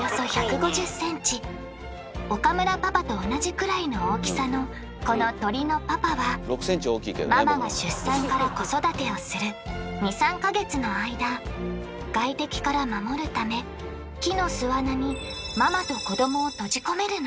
岡村パパと同じくらいの大きさのこの鳥のパパはママが出産から子育てをする２３か月の間外敵から守るため木の巣穴にママと子どもを閉じ込めるのおおっ。